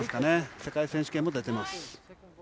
世界選手権も出てます。